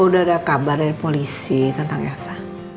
apa udah ada kabar dari polisi tentang yassa